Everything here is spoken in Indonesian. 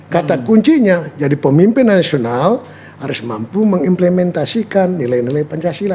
kata kuncinya jadi pemimpin nasional harus mampu mengimplementasikan nilai nilai pancasila